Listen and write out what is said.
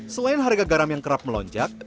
selain harga garam yang kerap melonjak